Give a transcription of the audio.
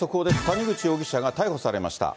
谷口容疑者が逮捕されました。